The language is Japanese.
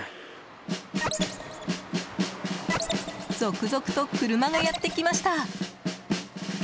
続々と車がやってきました。